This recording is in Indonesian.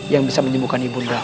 yang bisa menyembuhkan ibundamu